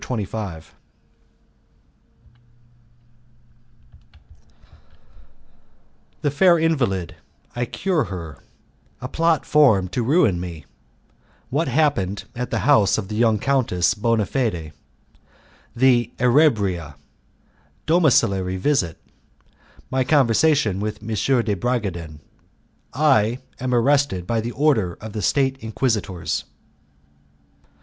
CHAPTER XXV The Fair Invalid I Cure Her A Plot Formed to Ruin Me What Happened at the House of the Young Countess Bonafede The Erberia Domiciliary Visit My Conversation with M. de Bragadin I Am Arrested by Order of the State Inquisitors.